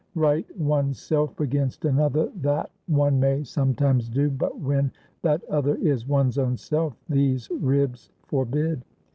Right one's self against another, that, one may sometimes do; but when that other is one's own self, these ribs forbid.